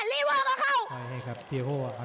ลีเวอร์เข้า